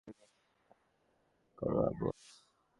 তুমি এ আগুন ঠাণ্ডা কর আবু ওসামা।